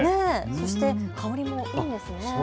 そして香りもいいんですね。